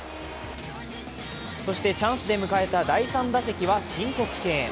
そしてチャンスで迎えた第３打席は申告敬遠。